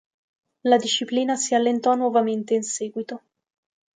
La disciplina si allentò nuovamente in seguito.